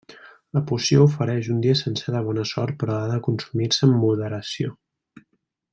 La poció ofereix un dia sencer de bona sort però ha de consumir-se amb moderació.